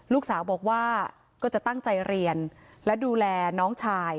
ลูกสาวบอกว่าก็จะตั้งใจเรียนและดูแลน้องชาย